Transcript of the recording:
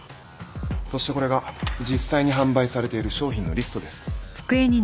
そしてこれが実際に販売されている商品のリストです。